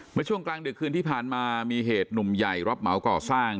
เมื่อช่วงกลางดึกคืนที่ผ่านมามีเหตุหนุ่มใหญ่รับเหมาก่อสร้าง